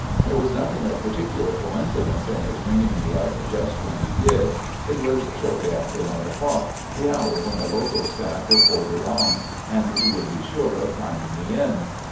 There was nothing of particular coincidence in his ringing me up just when he did; it was shortly after 1 o'clock, the hour when the local staff reported on, and he would be sure of finding me in.